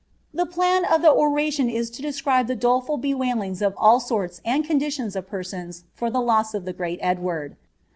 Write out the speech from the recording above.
The plan of the oration is to describe the doleful bewailings of all sorts mmI eundilions of persons for the loss of the great Edward.